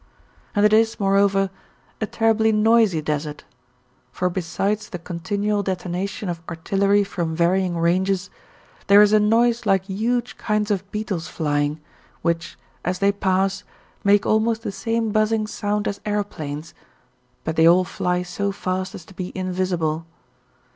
And it is, moreover, a terribly noisy desert, for besides the continual detonation of artillery from varying ranges, there is a noise like huge kinds of beetles flying, which, as they pass, make almost the same buzzing sound as aeroplanes, but they all fly so fast as to be invisible.